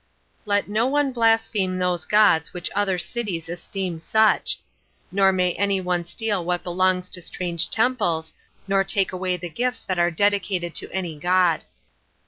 10. Let no one blaspheme those gods which other cities esteem such; 18 nor may any one steal what belongs to strange temples, nor take away the gifts that are dedicated to any god.